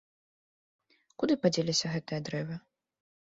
Куды падзеліся гэтыя дрэвы?